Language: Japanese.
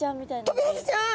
トビハゼちゃん！？